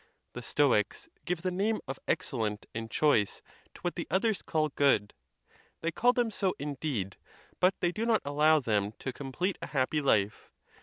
The Stoics give the name of excellent and choice to what the others call good: they call them so, indeed; but they do not allow them to complete a happy life.